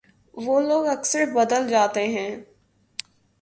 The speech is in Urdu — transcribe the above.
وہ لوگ اکثر بدل جاتے ہیں